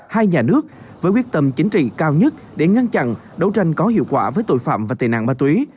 hai nhà nước với quyết tâm chính trị cao nhất để ngăn chặn đấu tranh có hiệu quả với tội phạm và tệ nạn ma túy